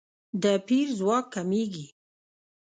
د پیر ځواک کمیږي.